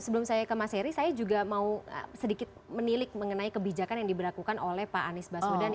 sebelum saya ke mas heri saya juga mau sedikit menilik mengenai kebijakan yang diberlakukan oleh pak anies baswedan